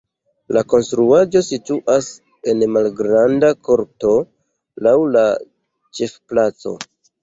La konstruaĵo situas en malgranda korto laŭ la ĉefplaco.